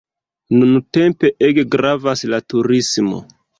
Nuntempe ege gravas la turismo.